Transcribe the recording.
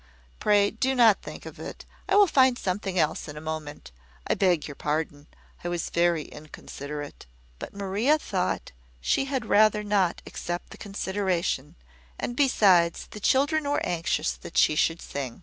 Pray do not think of it. I will find something else in a moment. I beg your pardon: I was very inconsiderate." But Maria thought she had rather not accept the consideration; and besides, the children were anxious that she should sing.